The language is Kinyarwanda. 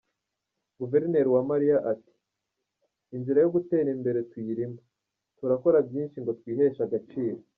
Guverineri Uwamariya ati “ Inzira yo gutera imbere tuyirimo, turakora byinshi ngo twiheshe agaciro.